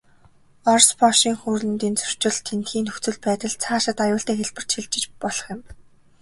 Орос, Польшийн хоорондын зөрчил, тэндхийн нөхцөл байдал, цаашид аюултай хэлбэрт шилжиж болох юм.